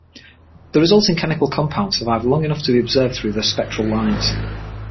The resulting chemical compounds survive long enough to be observed through their spectral lines.